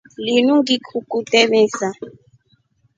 Linu kutee misa.